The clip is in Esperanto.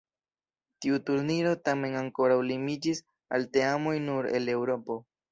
Tiu turniro tamen ankoraŭ limiĝis al teamoj nur el Eŭropo.